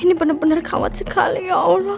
ini bener bener kawat sekali ya allah